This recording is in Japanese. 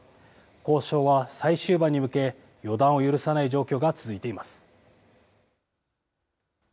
交渉は最終盤に向け、予断を許さない状況が続いています。